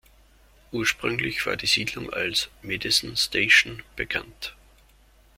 Ursprünglich war die Siedlung als Madison Station bekannt.